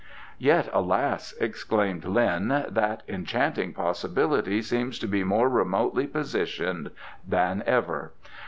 "Yet, alas!" exclaimed Lin, "that enchanting possibility seems to be more remotely positioned than ever.